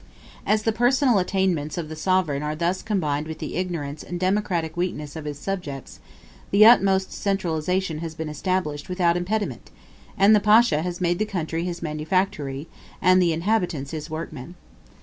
As the personal attainments of the sovereign are thus combined with the ignorance and democratic weakness of his subjects, the utmost centralization has been established without impediment, and the pacha has made the country his manufactory, and the inhabitants his workmen.